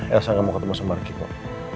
elsa gak mau ketemu sama riky kok